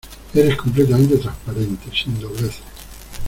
eres completamente transparente, sin dobleces.